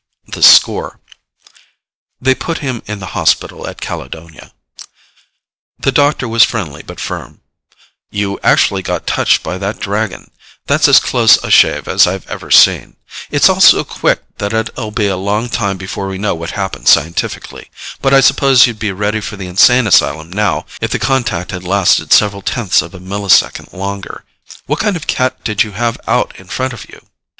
THE SCORE They put him in the hospital at Caledonia. The doctor was friendly but firm. "You actually got touched by that Dragon. That's as close a shave as I've ever seen. It's all so quick that it'll be a long time before we know what happened scientifically, but I suppose you'd be ready for the insane asylum now if the contact had lasted several tenths of a millisecond longer. What kind of cat did you have out in front of you?"